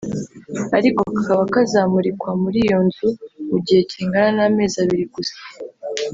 ariko kakaba kazamurikwa muri iyo nzu mu gihe kingana n’amezi abiri gusa